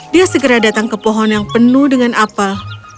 dia segera datang ke pohon yang penuh dengan apel